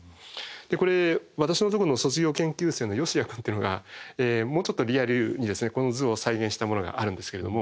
これ私のとこの卒業研究生のヨシヤ君っていうのがもうちょっとリアルにこの図を再現したものがあるんですけれども。